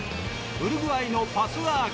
ウルグアイのパスワーク。